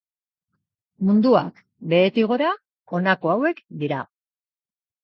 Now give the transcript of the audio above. Munduak, behetik gora, honako hauek dira.